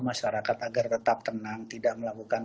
masyarakat agar tetap tenang tidak melakukan